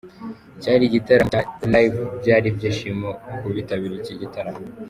Cyari igitaramo cya LiveByari ibyishimo ku bitabiriye iki gitaramo.